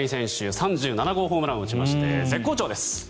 ３７号ホームランを打ちまして絶好調です。